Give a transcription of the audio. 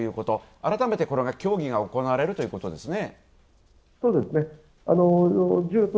改めて、これが協議が行われるということですね。